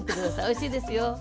おいしいですよ。